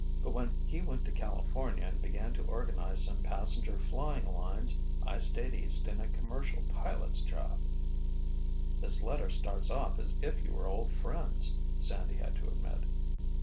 But when he went to California and began to organize some passenger flying lines, I stayed East in a commercial pilot's job." "This letter starts off as if you were old friends," Sandy had to admit.